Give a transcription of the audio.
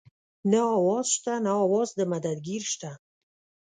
نه اواز شته نه اواز د مدد ګير شته